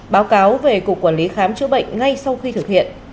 báo cáo về cục quản lý khám chữa bệnh ngay sau khi thực hiện